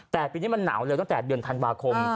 แต่ปีนี้มันหนาวเลยตั้งแต่เดือนธันวาคม